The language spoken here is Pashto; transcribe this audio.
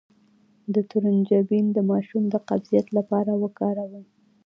د ترنجبین د ماشوم د قبضیت لپاره وکاروئ